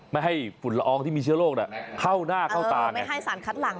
ไม่ให้ฝุ่นละอองที่มีเชื้อโรคเข้าหน้าเข้าตาไม่ให้สารคัดหลัง